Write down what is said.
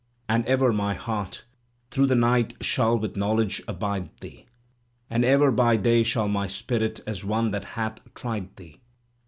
And ever my heart through the night shall with knowledge abide thee. And ever by day shall my spirit, as one that hath tried thee.